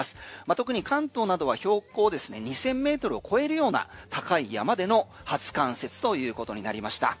特に関東などは標高２０００ｍを超えるような高い山での初冠雪ということになりました。